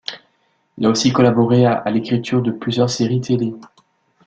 Il a aussi collaboré à l’écriture de plusieurs séries télé.